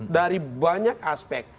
dari banyak aspek